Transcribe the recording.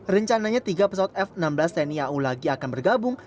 rencananya tiga pesawat f enam belas tni au lagi akan bergabung